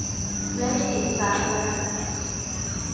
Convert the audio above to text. และจิตสาธารณะ